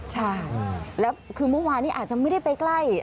ใช่แล้วคือเมื่อวานนี้อาจจะไม่ได้ไปใกล้